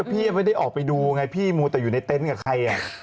พี่ยังไม่ได้ออกไปดูไงพี่มูดอยู่ในเต็นต์กับใครอ่ะ